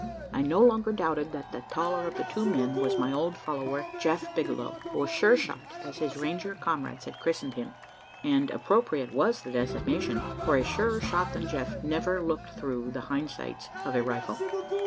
I no longer doubted that the taller of the two men was my old follower "Jeph Bigelow," or "Sure shot," as his Ranger comrades had christened him; and appropriate was the designation for a surer shot than Jeph never looked through the hind sights of a rifle.